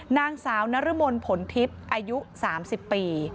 นางสาวนรมนผลทิพย์อายุ๓๐ปี